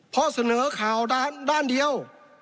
เพราะเสนอข่าวด้านเดียว